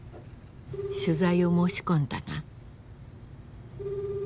取材を申し込んだが。